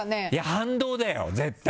反動だよ、絶対。